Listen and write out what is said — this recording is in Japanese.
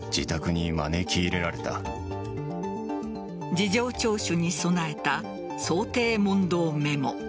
事情聴取に備えた想定問答メモ。